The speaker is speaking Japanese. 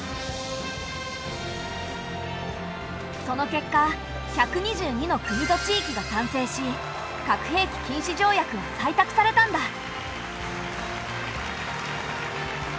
その結果１２２の国と地域が賛成し核兵器禁止条約は採択されたんだ。